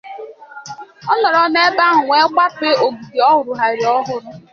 Ọ nọrọ n'ebe ahụ wee gbapee ògìgè a rụgharịrị ọhụrụ